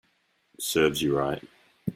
Serves you right